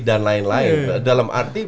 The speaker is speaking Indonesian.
dan lain lain dalam arti